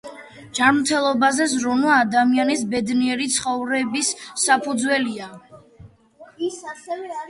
ჯანმრთელობაზე ზრუნვა ადამიანის ბედნიერი ცხოვრების საფუძველია.